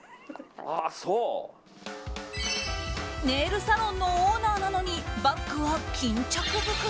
ネイルサロンのオーナーなのにバッグは巾着袋。